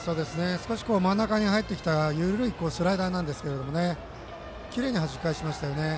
少し真ん中に入ってきた緩いスライダーなんですがきれいにはじき返しましたよね。